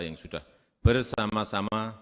yang sudah bersama sama